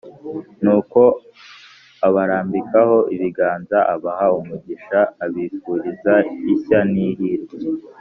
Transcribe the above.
Nuko abarambikaho ibiganza abaha umugisha abifuriza ishya n’ihirwe